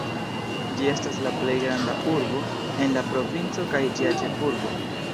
Ĝi estas la plej granda urbo en la provinco kaj ĝia ĉefurbo.